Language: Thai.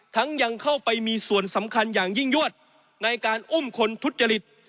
ยังเข้าไปมีส่วนสำคัญอย่างยิ่งยวดในการอุ้มคนทุจริต